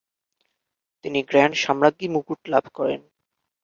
তিনি গ্র্যান্ড সম্রাজ্ঞী মুকুট লাভ করেন।